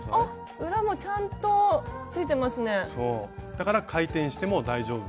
だから回転しても大丈夫。